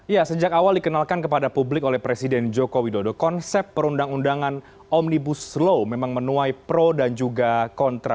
ya sejak awal dikenalkan kepada publik oleh presiden joko widodo konsep perundang undangan omnibus law memang menuai pro dan juga kontra